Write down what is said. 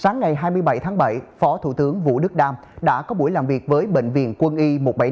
sáng ngày hai mươi bảy tháng bảy phó thủ tướng vũ đức đam đã có buổi làm việc với bệnh viện quân y một trăm bảy mươi năm